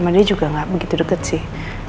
sama dia juga gak begitu deket sih